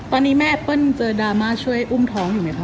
ตอนนี้แม่เปิ้ลเจอดราม่าช่วยอุ้มท้องอยู่ไหมคะ